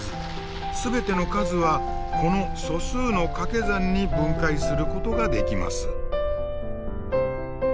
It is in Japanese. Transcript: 全ての数はこの素数のかけ算に分解することができます。